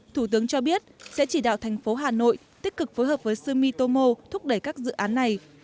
thủ tướng cho biết sẽ chỉ đạo thành phố hà nội tích cực phối hợp với ưmitomo thúc đẩy các dự án này